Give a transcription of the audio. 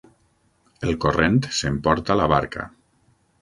El corrent s'emporta la barca.